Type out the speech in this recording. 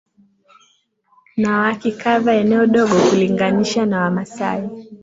na waki kava eneo dogo kulinganisha na Wamasai